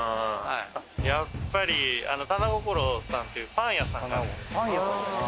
やっぱりたなごころさんっていうパン屋さんが。